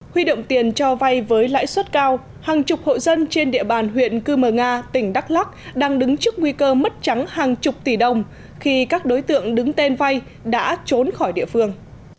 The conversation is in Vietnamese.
huy động tiền cho vay với lãi suất cao hàng chục hộ dân trên địa bàn huyện cư mờ nga tỉnh đắk lắc đang đứng trước nguy cơ mất trắng hàng chục tỷ đồng khi các đối tượng đứng tên vay đã trốn khỏi địa phương